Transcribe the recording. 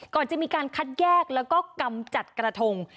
ก่อนจะมีการคัดแยกแล้วก็กำจัดกระทง